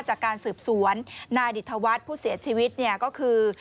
จากการสืบสวนนายดิตธวัฒน์ผู้เสียชีวิตเนี่ยก็คือ